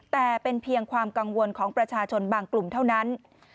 แต่เป็นเพียงความกังวลของประชาชนบางกลุ่มเท่านั้น